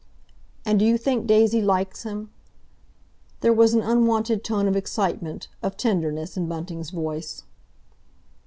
"And do you think Daisy likes him?" There was an unwonted tone of excitement, of tenderness, in Bunting's voice.